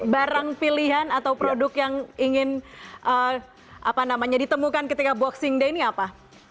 barang pilihan atau produk yang ingin ditemukan ketika boxing day ini apa